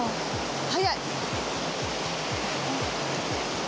速い！